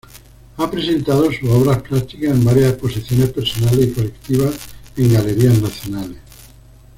Ha presentado sus obras plásticas en varias exposiciones personales y colectivas en Galerías Nacionales.